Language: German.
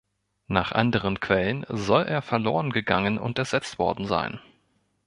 Nach anderen Quellen soll er verloren gegangen und ersetzt worden sein.